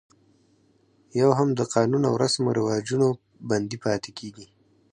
یو هم د قانون او رسم و رواجونو بندي پاتې کېږي.